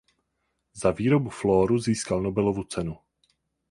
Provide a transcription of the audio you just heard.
Za výrobu fluoru získal Nobelovu cenu.